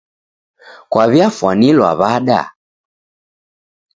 Kwaw'iafwanilwa w'ada?